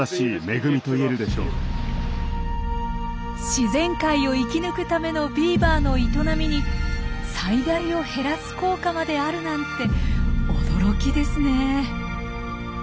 自然界を生き抜くためのビーバーの営みに災害を減らす効果まであるなんて驚きですね！